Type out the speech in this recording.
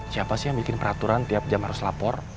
siapa sih yang bikin peraturan tiap jam harus lapor